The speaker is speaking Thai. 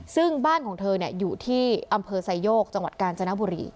ซึ่งบ้านของเธออยู่ที่อำเภอไซโยกจังหวัดกาญจนบุรี